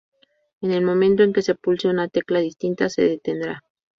En el momento en que se pulse una tecla distinta se detendrá.